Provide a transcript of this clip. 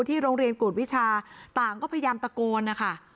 โรงเรียนกวดวิชาต่างก็พยายามตะโกนนะคะ